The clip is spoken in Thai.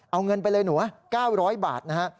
เอาเงินไปเลยหนู๙๐๐บาทนะฮะ